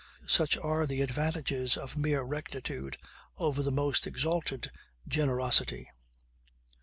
Such are the advantages of mere rectitude over the most exalted generosity.